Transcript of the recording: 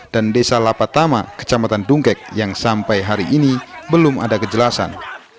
dan desa lapatama kecamatan dunggek yang sampai hari ini belum ada kejelasan